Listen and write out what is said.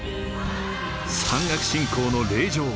山岳信仰の霊場。